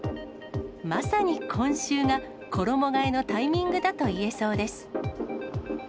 まさに今週が衣がえのタイミングだといえそうです。